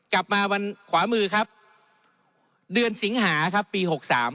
กลับมาวันขวามือครับเดือนสิงหาครับปี๖๓